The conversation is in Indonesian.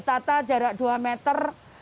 tata jarak dua meter